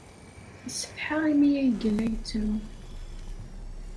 Yessetḥa imi ay yella yettru.